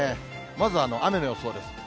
まず雨の予想です。